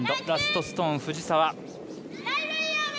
ラストストーン藤沢。